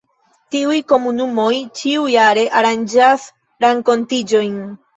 Tiuj komunumoj ĉiujare aranĝas renkontiĝojn.